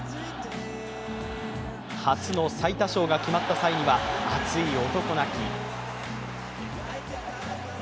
初の最多勝が決まった際には熱い男泣き。